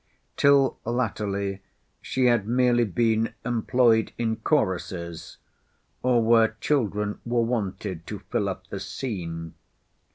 Till latterly she had merely been employed in choruses, or where children were wanted to fill up the scene.